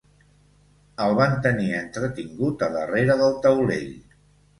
El van tenir entretingut a darrera del taulell